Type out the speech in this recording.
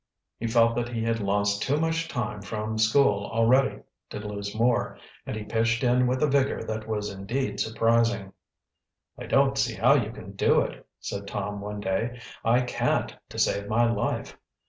He felt that he had lost too much time from school already to lose more, and he pitched in with a vigor that was indeed surprising. "I don't see how you can do it," said Tom one day. "I can't, to save my life."